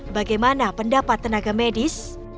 bagaimana pendapat tenaga medis